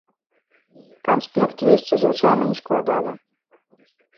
Канспект весці звычайна не складана.